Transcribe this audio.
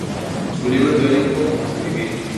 Su libro teórico "Escribir.